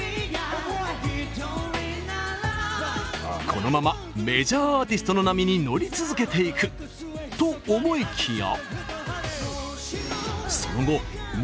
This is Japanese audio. このままメジャーアーティストの波に乗り続けていくと思いきや。